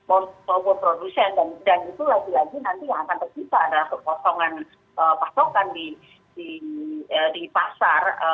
maupun produsen dan itu lagi lagi nanti yang akan tercita adalah kekosongan pasokan di pasar